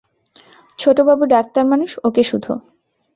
ছোটবাবু ডাক্তার মানুষ ওঁকে শুধো।